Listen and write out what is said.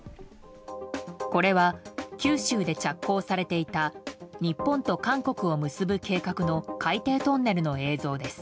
これは九州で着工されていた日本と韓国を結ぶ計画の海底トンネルの映像です。